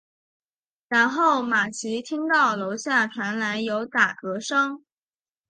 然后玛琦听到楼下传来有打嗝声。